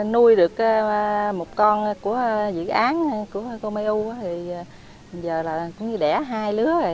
nuôi được một con của dự án của cô my u thì bây giờ là cũng như đẻ hai lứa rồi